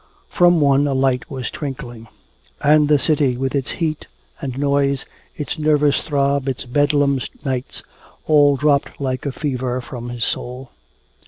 From one a light was twinkling. And the city with its heat and noise, its nervous throb, its bedlam nights, all dropped like a fever from his soul.